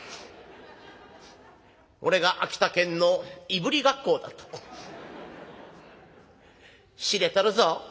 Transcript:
俺が秋田県のいぶりがっこうだと知れとるぞ」。